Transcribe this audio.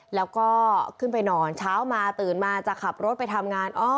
แล้วก็ขึ้นไปนอนเช้ามาตื่นมาจะขับรถไปทำงาน